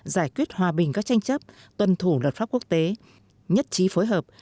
giải quyết hòa bình các tranh chấp tuân thủ luật pháp quốc tế nhất trí phối hợp